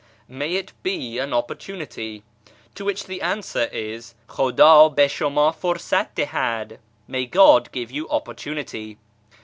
(" May it be an opportunity !"), to which the answer is, " ICJmdd hi shmnd fursat dihad !"(" May God give you opportunity